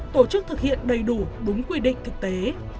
tổ chức thực hiện đầy đủ đúng quy định thực tế